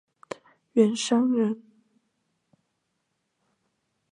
袁彬人。